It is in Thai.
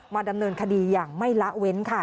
ดำเนินคดีอย่างไม่ละเว้นค่ะ